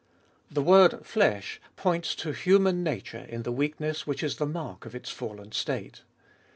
The word " flesh " points to human nature in the weakness which is the mark of its fallen state.